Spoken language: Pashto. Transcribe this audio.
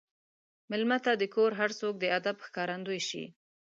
مېلمه ته د کور هر څوک د ادب ښکارندوي شي.